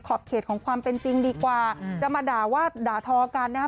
เขตของความเป็นจริงดีกว่าจะมาด่าว่าด่าทอกันนะฮะ